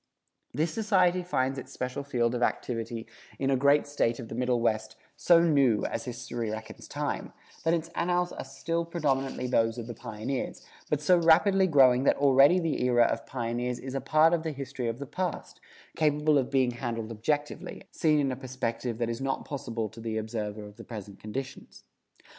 This Society finds its special field of activity in a great State of the Middle West, so new, as history reckons time, that its annals are still predominantly those of the pioneers, but so rapidly growing that already the era of the pioneers is a part of the history of the past, capable of being handled objectively, seen in a perspective that is not possible to the observer of the present conditions.